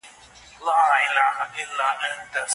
ټکنالوژي موږ ته د ژبو د زده کړې لپاره نوي امکانات راکوي.